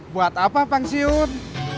buat apa pensiun